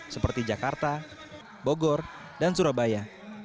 seperti jakarta bogor dan surabaya